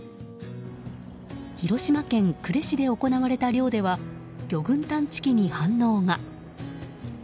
広島県呉市で行われた漁では魚群探知機に反応が。